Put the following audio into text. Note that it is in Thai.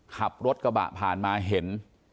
ขับรถกระบะผ่านมาเห็น